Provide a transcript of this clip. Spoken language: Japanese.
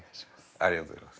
ありがとうございます。